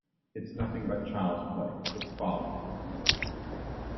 It's nothing but child's play - it's folly.